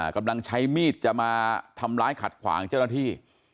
กำลังใช้มีดจะมาทำร้ายขัดขวางเจ้าหน้าที่